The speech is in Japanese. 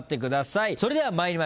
それでは参りましょう。